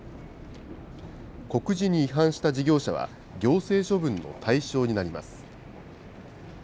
告示に違反した事業者は行政処分の対象になります。